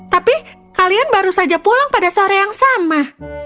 tapi kalian baru saja pulang pada sore yang sama